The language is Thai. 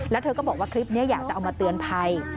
แล้วเธอก็บอกว่าคลิปนี้อยากจะเอามาเตือนภัย